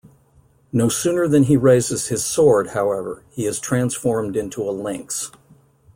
No sooner than he raises his sword, however, he is transformed into a lynx.